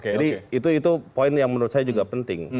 jadi itu poin yang menurut saya juga penting